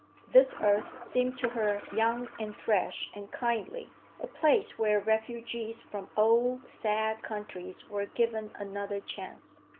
This earth seemed to her young and fresh and kindly, a place where refugees from old, sad countries were given another chance.